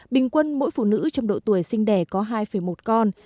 bình quân mỗi phụ nữ trong độ tuổi sinh đẻ có hai một con